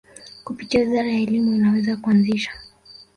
kupitia wizara ya Elimu inaweza kuanzisha